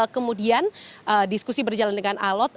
kemudian diskusi berjalan dengan alot